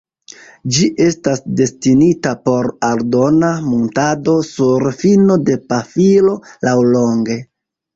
Ĝi estas destinita por aldona muntado sur fino de pafilo laŭlonge.